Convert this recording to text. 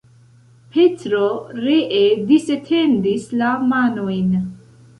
Petro ree disetendis la manojn.